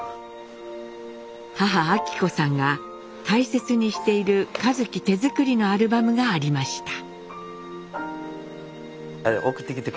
母昭子さんが大切にしている一輝手作りのアルバムがありました。